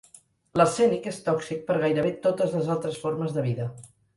L'arsènic és tòxic per gairebé totes les altres formes de vida.